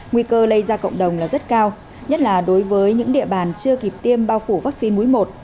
nguy cơ lây ra cộng đồng là rất cao nhất là đối với những địa bàn chưa kịp tiêm bao phủ vaccine mũi một